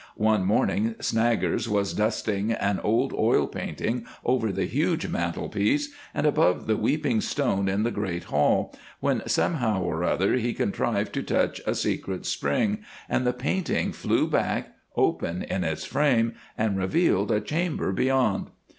One morning Snaggers was dusting an old oil painting over the huge mantelpiece, and above the weeping stone in the great hall, when somehow or other he contrived to touch a secret spring and the painting flew back, open in its frame, and revealed a chamber beyond.